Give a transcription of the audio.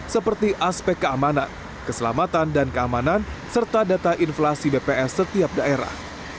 seperti aspek keamanan keselamatan dan keamanan serta data inflasi bps setiap daerah